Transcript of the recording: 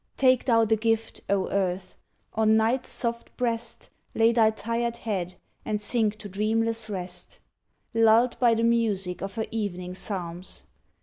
Take thou the gift, O Earth! On Night's soft breast Lay thy tired head and sink to dreamless rest, Lulled by the music of her evening psalms.